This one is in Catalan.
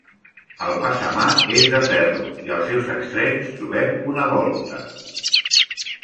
El passamà és de ferro i als seus extrems trobem una voluta.